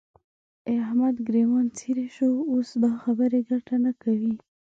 د احمد ګرېوان څيرې شو؛ اوس دا خبرې ګټه نه کوي.